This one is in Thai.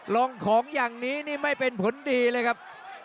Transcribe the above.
ลงของอย่างนี้นี่ไม่เป็นผลดีเลยครับ